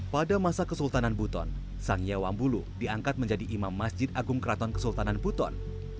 pada masa kesultanan buton sang yewambulu diangkat menjadi imam masjid agung keraton kesultanan buton